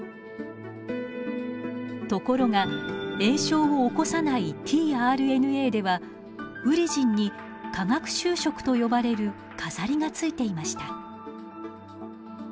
ところが炎症を起こさないｔＲＮＡではウリジンに化学修飾と呼ばれる飾りがついていました。